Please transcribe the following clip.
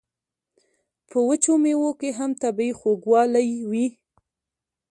په وچو میوو کې هم طبیعي خوږوالی وي.